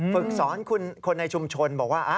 ฝึกสอนคนในชุมชนบอกว่า